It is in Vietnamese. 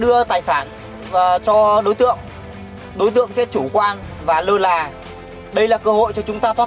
đưa tài sản cho đối tượng đối tượng sẽ chủ quan và lơ là đây là cơ hội cho chúng ta thoát